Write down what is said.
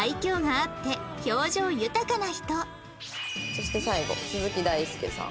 そして最後鈴木大介さん。